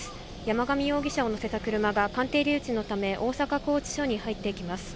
山上容疑者を乗せた車が、鑑定留置のため、大阪拘置所に入っていきます。